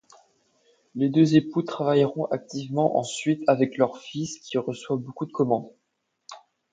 Les deux époux travailleront activement ensuite avec leur fils, qui reçoit beaucoup de commandes.